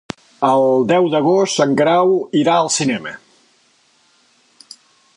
El deu d'agost en Grau irà al cinema.